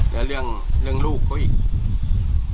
แล้วเรื่องลูกเขาอีก